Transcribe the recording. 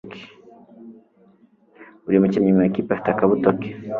Buri mukinnyi mu ikipe afite akabuto ke.